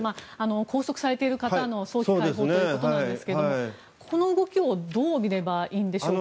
拘束されている方の早期解放ということなんですがこの動きどう見ればいいんでしょうか。